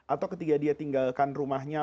atau ketika dia tinggalkan rumahnya